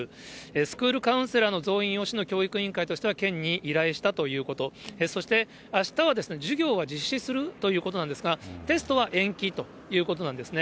スクールカウンセラーの増員を、市の教育委員会としては県に依頼したということ、そして、あしたは授業は実施するということなんですが、テストは延期ということなんですね。